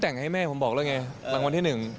แต่งให้แม่ผมบอกแล้วไงรางวัลที่๑